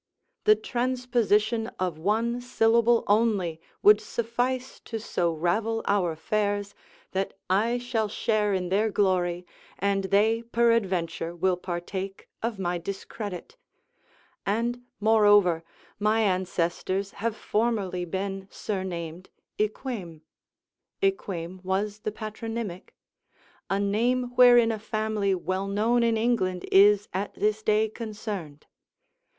The transposition of one syllable only would suffice so to ravel our affairs, that I shall share in their glory, and they peradventure will partake of my discredit; and, moreover, my ancestors have formerly been surnamed, Eyquem, [Eyquem was the patronymic.] a name wherein a family well known in England is at this day concerned.